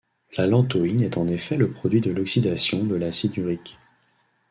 L'allantoïne est en effet le produit de l'oxydation de l'acide urique.